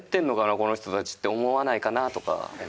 この人たちって思わないかな？とか思う。